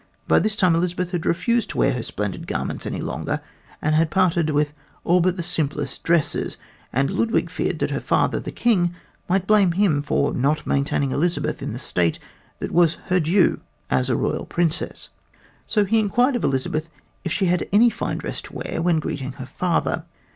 By this time Elizabeth had refused to wear her splendid garments any longer and had parted with all except her simplest dresses; and Ludwig feared that her father the King might blame him for not maintaining Elizabeth in the state that was her due as a royal princess, so he inquired of Elizabeth if she had any fine dress to wear when greeting her father.